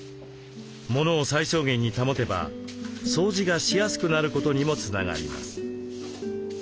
物を最小限に保てば掃除がしやすくなることにもつながります。